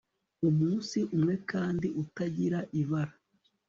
Umunsi umwe kandi utagira ibara